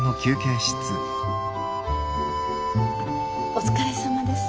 お疲れさまです。